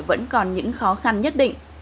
vẫn còn những khó khăn nhất định